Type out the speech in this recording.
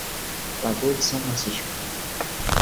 Lagoa de São Francisco